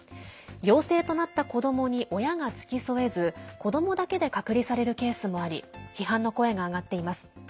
陽性となった子どもに親が付き添えず子どもだけで隔離されるケースもあり批判の声が上がっています。